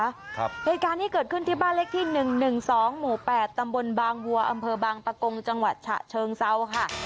เหตุการณ์ที่เกิดขึ้นที่บ้านเลขที่๑๑๒หมู่๘ตำบลบางวัวอำเภอบางปะกงจังหวัดฉะเชิงเซาค่ะ